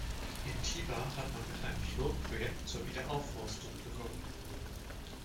In Tibar hat man mit einem Pilotprojekt zur Wiederaufforstung begonnen.